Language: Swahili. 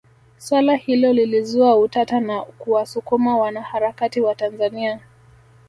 Swala hilo lilizua utata na kuwasukuma wanaharakati wa Tanzania